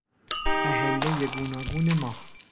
اهلهی گوناگون ماه